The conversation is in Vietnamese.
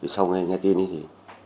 sau nghe tin thì